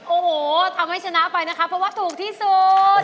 โอ้โหทำให้ชนะไปนะคะเพราะว่าถูกที่สุด